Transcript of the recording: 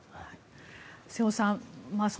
瀬尾さん